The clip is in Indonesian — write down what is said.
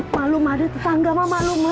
malu ma ada tetangga ma